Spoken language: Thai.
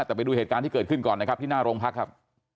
แต่ไปดูเหตุการณ์ที่เกิดขึ้นก่อนนะครับที่หน้าโรงพักครับ